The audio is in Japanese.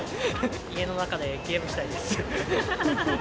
家の中でゲームしたいです。